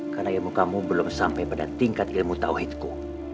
karena ilmu kamu belum sampai pada tingkat ilmu tawhidku